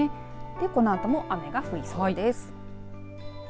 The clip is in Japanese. このあとも雨が降りそうです。